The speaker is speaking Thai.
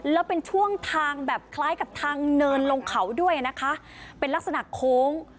แล้วเป็นช่วงทางแบบคล้ายกับทางเนินลงเขาด้วยนะคะเป็นลักษณะโค้ง